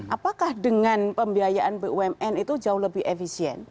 apakah dengan pembiayaan bumn itu jauh lebih efisien